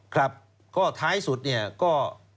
ครับก็ท้ายสุดก็